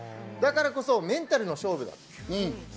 だからこそメンタルの勝負だと。